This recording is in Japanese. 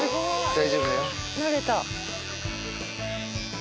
大丈夫だよ。